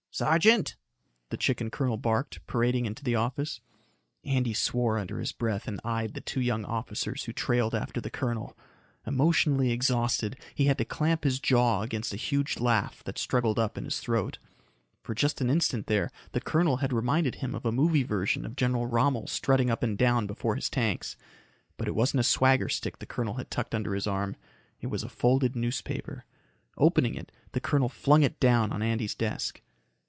"Sergeant," the chicken colonel barked, parading into the office. Andy swore under his breath and eyed the two young officers who trailed after the colonel. Emotionally exhausted, he had to clamp his jaw against a huge laugh that struggled up in his throat. For just an instant there, the colonel had reminded him of a movie version of General Rommel strutting up and down before his tanks. But it wasn't a swagger stick the colonel had tucked under his arm. It was a folded newspaper. Opening it, the colonel flung it down on Andy's desk.